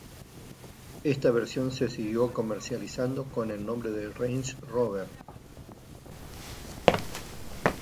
Esta versión se siguió comercializando con el nombre de Range Rover.